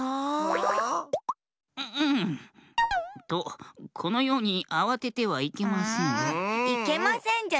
とこのようにあわててはいけません。